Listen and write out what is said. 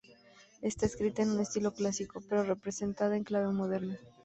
Está escrita en un estilo clásico, pero representada en clave moderna.